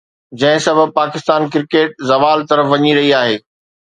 جنهن سبب پاڪستان ڪرڪيٽ زوال طرف وڃي رهي آهي.